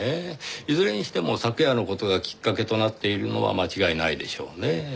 いずれにしても昨夜の事がきっかけとなっているのは間違いないでしょうねぇ。